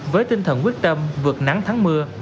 với tinh thần quyết tâm vượt nắng thắng mưa